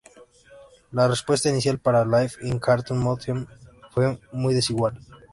La respuesta inicial para Life in Cartoon Motion fue muy desigual.